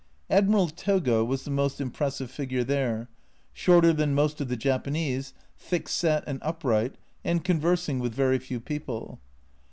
Admiral Togo was the most impressive figure there, shorter than most of the Japanese, thick set and upright, and conversing with very few people.